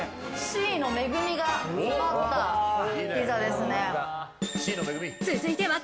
シーの恵みが詰まったピザですね。